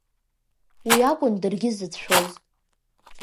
Уи акәын даргьы зыцәшәоз.